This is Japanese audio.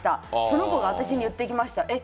その子が私に言ってきました。